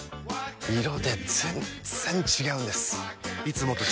色で全然違うんです！